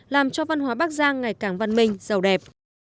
làm cho văn hóa bắc giang ngày càng văn minh giàu đẹp